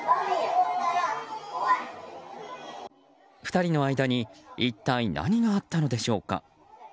２人の間に一体、何があったのでしょうか。